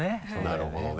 なるほどね。